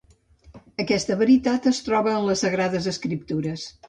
Aquesta veritat es troba en les Sagrades Escriptures.